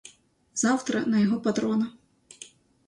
Завтра, на його патрона.